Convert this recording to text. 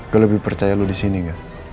gue lebih percaya lu di sini gak